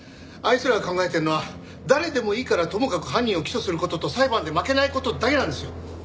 あいつらが考えてるのは誰でもいいからともかく犯人を起訴する事と裁判で負けない事だけなんですよ！